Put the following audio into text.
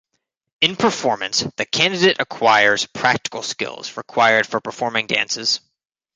In Performance, the candidate acquires practical skills required for performing dances.